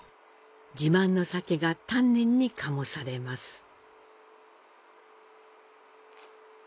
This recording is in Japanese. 自慢の酒が丹念に醸されます。